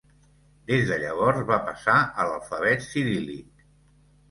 Des de llavors, va passar a l'alfabet ciríl·lic.